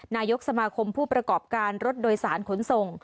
นายกสมาคมผู้ประกอบการรถโดยสารขนส่ง